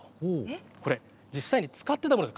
こちら実際に使っていたものです。